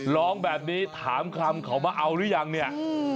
ร้องแบบนี้ถามคำเขามาเอาหรือยังเนี่ย